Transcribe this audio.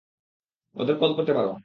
ওদের কল করতে পারো।